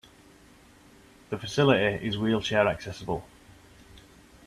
The facility is wheelchair-accessible.